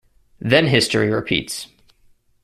Then history repeats.